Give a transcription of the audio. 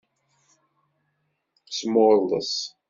Smurḍes.